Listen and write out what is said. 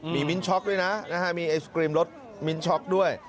มีมิ้นช็อกด้วยนะมีไอศกรีมรสมิ้นช็อกด้วย